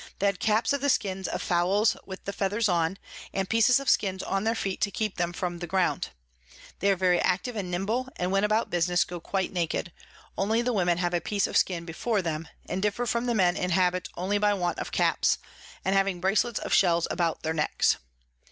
They had Caps of the Skins of Fowls with the Feathers on, and pieces of Skins on their feet to keep them from the ground. They are very active and nimble, and when about Business go quite naked; only the Women have a piece of Skin before them, and differ from the Men in Habit only by want of Caps, and having Bracelets of Shells about their Necks.